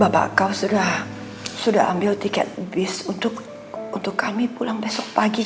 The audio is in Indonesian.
bapak kau sudah ambil tiket bis untuk kami pulang besok pagi